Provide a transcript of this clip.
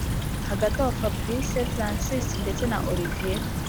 hagati aho fabric, francis ndetse na olivier